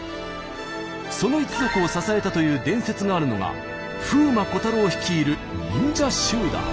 その一族を支えたという伝説があるのが風魔小太郎率いる忍者集団。